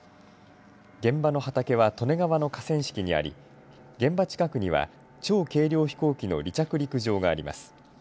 現場の畑は利根川の河川敷にあり現場近くには超軽量飛行機の離着陸場があります。